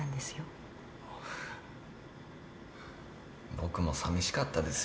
僕もさみしかったですよ。